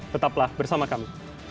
tetaplah bersama kami